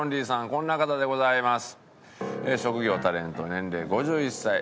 こんな方でございます。